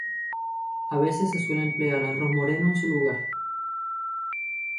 A veces se suele emplear arroz moreno en su lugar.